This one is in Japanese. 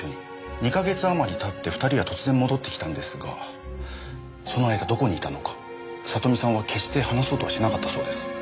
２カ月余り経って２人は突然戻って来たんですがその間どこにいたのか聡美さんは決して話そうとはしなかったそうです。